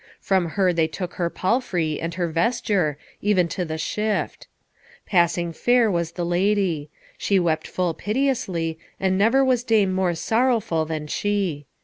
From her they took her palfrey and her vesture, even to the shift. Passing fair was the lady; she wept full piteously, and never was dame more sorrowful than she.